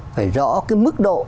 phải rõ cái mức độ